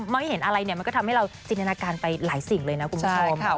ไม่เห็นอะไรเนี่ยมันก็ทำให้เราจินตนาการไปหลายสิ่งเลยนะคุณผู้ชม